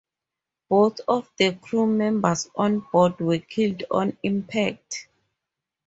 Both of the crew members on board were killed on impact.